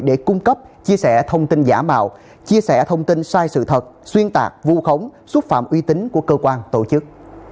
để cung cấp chia sẻ thông tin giả mạo chia sẻ thông tin sai sự thật xuyên tạc vu khống xúc phạm uy tín của cơ quan tổ chức